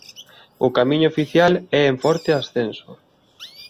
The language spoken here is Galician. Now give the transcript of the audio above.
O Camiño oficial é en forte ascenso.